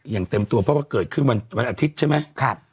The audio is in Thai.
อย่างเต็มตัวเพราะว่าเกิดขึ้นวันอาทิตย์ใช่ไหม